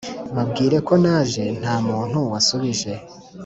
'babwire ko naje, nta muntu wasubije,